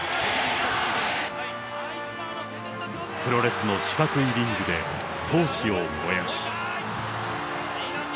プロレスの四角いリングで闘志を燃やし。